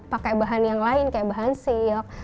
pakai bahan yang lain kayak bahan silk